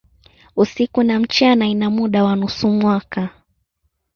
Usiku na mchana ina muda wa nusu mwaka.